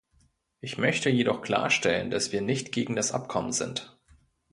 Ich möchte jedoch klarstellen, dass wir nicht gegen das Abkommen sind.